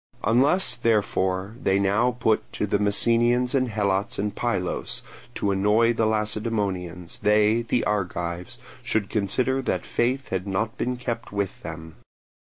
Unless, therefore, they now put the Messenians and Helots in Pylos to annoy the Lacedaemonians, they, the Argives, should consider that faith had not been kept with them.